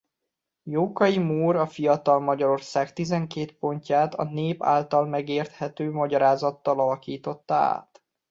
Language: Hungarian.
Jókai Mór a Fiatal Magyarország tizenkét pontját a nép által megérthető magyarázattal alakította át.